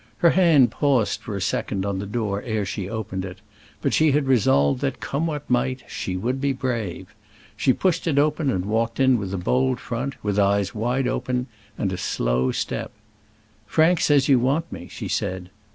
Her hand paused for a second on the door ere she opened it, but she had resolved that, come what might, she would be brave. She pushed it open and walked in with a bold front, with eyes wide open, and a slow step. "Frank says that you want me," she said.